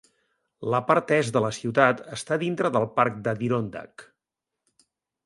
La part est de la ciutat està dintre del parc d'Adirondack.